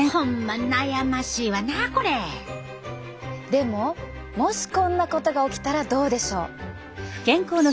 でももしこんなことが起きたらどうでしょう。